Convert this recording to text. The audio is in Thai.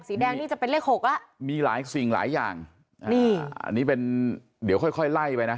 แดงนี่จะเป็นเลขหกแล้วมีหลายสิ่งหลายอย่างนี่อันนี้เป็นเดี๋ยวค่อยค่อยไล่ไปนะ